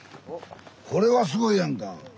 これはすごいやんか。